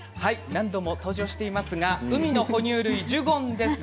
何度も登場していますが海の哺乳類ジュゴンです。